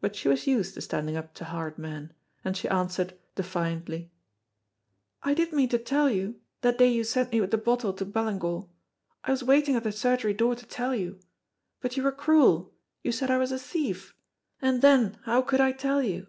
But she was used to standing up to hard men, and she answered, defiantly: "I did mean to tell you, that day you sent me with the bottle to Ballingall, I was waiting at the surgery door to tell you, but you were cruel, you said I was a thief, and then how could I tell you?"